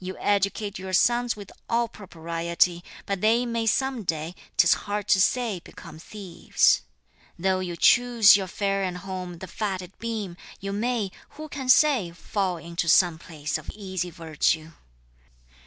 You educate your sons with all propriety, But they may some day, 'tis hard to say become thieves; Though you choose (your fare and home) the fatted beam, You may, who can say, fall into some place of easy virtue!